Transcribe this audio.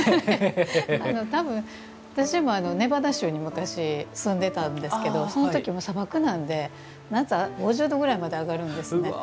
多分、私もネバダ州に昔、住んでたんですけどその時も砂漠なんで夏は５０度ぐらいまで上がるんですね。